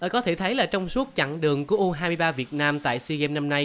có thể thấy là trong suốt chặng đường của u hai mươi ba việt nam tại sea games năm nay